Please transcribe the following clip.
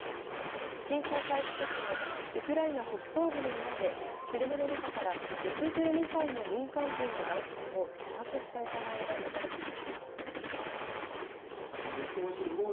侵攻開始直後、ウクライナ北東部の村で車の中から６２歳の民間人の男性を射殺した疑いが持たれています。